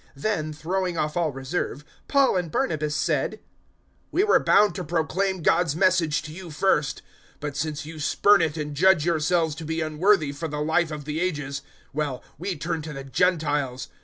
013:046 Then, throwing off all reserve, Paul and Barnabas said, "We were bound to proclaim God's Message to you first. But since you spurn it and judge yourselves to be unworthy of the Life of the Ages well, we turn to the Gentiles.